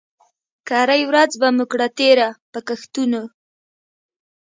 کرۍ ورځ به مو کړه تېره په ګښتونو